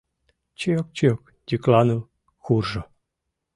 Чиок-чиок йӱкланыл куржо